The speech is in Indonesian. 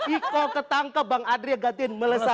iko ketangkep bang adri yang gantiin melesat